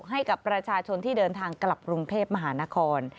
ให้กับประชาชนที่เดินทางกลับกรุงเทพมหานคร